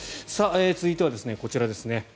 続いてはこちらですね。